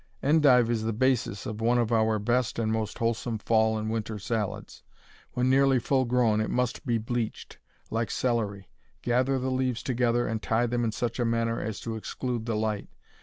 Endive is the basis of one of our best and most wholesome fall and winter salads. When nearly full grown it must be bleached, like celery. Gather the leaves together and tie them in such a manner as to exclude the light.